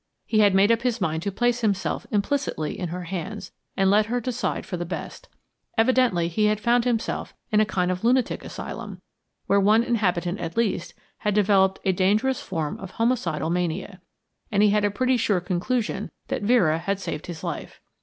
He had made up his mind to place himself implicitly in her hands, and let her decide for the best. Evidently, he had found himself in a kind of lunatic asylum, where one inhabitant at least had developed a dangerous form of homicidal mania, and he had a pretty sure conclusion that Vera had saved his life.